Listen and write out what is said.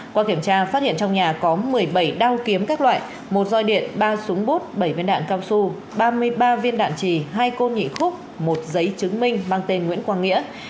qua kiểm tra phát hiện trong nhà có một mươi bảy đao kiếm các loại một roi điện ba súng bút bảy viên đạn cao su ba mươi ba viên đạn trì hai côn nhị khúc một giấy chứng minh mang tên nguyễn quang nghĩa